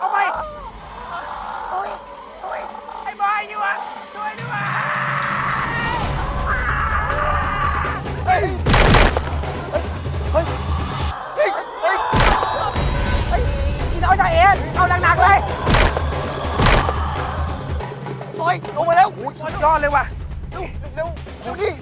ไปไอ้มายอยู่ออกชีวิตให้ไว้